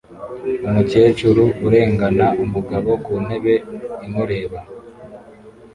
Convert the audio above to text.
Umukecuru urengana umugabo ku ntebe imureba